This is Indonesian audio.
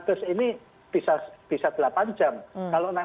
bus ini bisa bisa delapan jam kalau naik